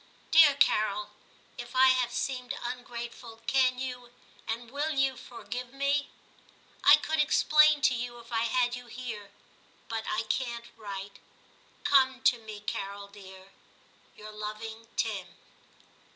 Dear Carol, if I have seemed ungrateful, can you and will you forgive me ? I could explain to you if I had you here, but I can't write. Come to me, Carol dear. — Your loving Tim.'